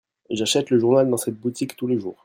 J'achète le journal dans cette boutique tous les jours.